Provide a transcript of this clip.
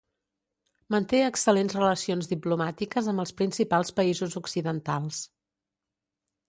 Manté excel·lents relacions diplomàtiques amb els principals països occidentals.